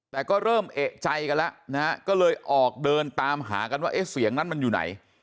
แต่ก็เริ่มเอกใจกันแล้วนะฮะก็เลยออกเดินตามหากันว่าเอ๊ะเสียงนั้นมันอยู่ไหน